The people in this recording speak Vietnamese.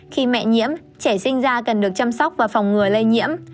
khi mẹ nhiễm trẻ sinh ra cần được chăm sóc và phòng ngừa lây nhiễm